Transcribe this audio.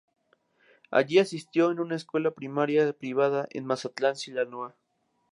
Allí asistió a una escuela primaria privada en Mazatlán, Sinaloa.